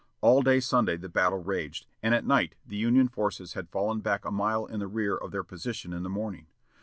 All day Sunday the battle raged, and at night the Union forces had fallen back a mile in the rear of their position in the morning.